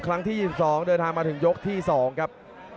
ครั้งที่๒๒เดินทางมาถึงยกที่๒ครับ